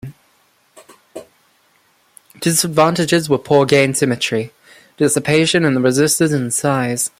Disadvantages were poor gain symmetry, dissipation in the resistors and size.